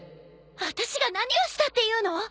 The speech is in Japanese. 私が何をしたっていうの！？